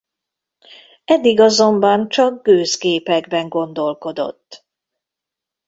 Eddig azonban csak gőzgépekben gondolkodott.